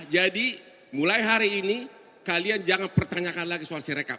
jadi mulai hari ini kalian jangan pertanyakan lagi soal serekap